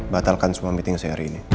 batalkan semua meeting seri ini